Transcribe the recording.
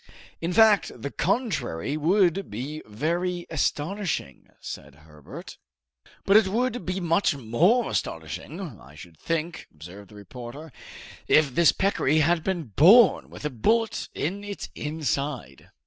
"In fact, the contrary would be very astonishing," said Herbert. "But it would be much more astonishing, I should think," observed the reporter, "if this peccary had been born with a bullet in its inside!"